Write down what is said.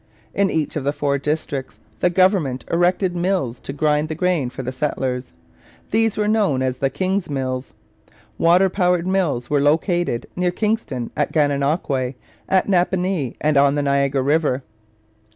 In each of the four districts the government erected mills to grind the grain for the settlers. These were known as the King's Mills. Water power mills were located near Kingston, at Gananoque, at Napanee, and on the Niagara River.